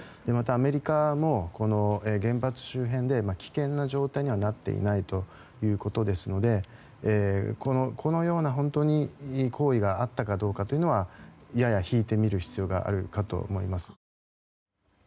また、アメリカも原発周辺で危険な状態にはなっていないということですのでこのような行為があったかというのはやや引いて見る必要があるかと思います。